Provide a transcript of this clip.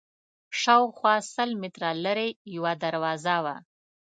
شاوخوا سل متره لرې یوه دروازه وه.